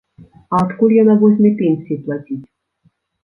А адкуль яна возьме пенсіі плаціць?